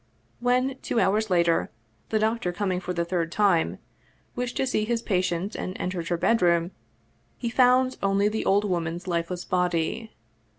When, two hours later, the doctor, coming for the third time, wished to see his patient and entered her bedroom, he found only the old woman's lifeless body.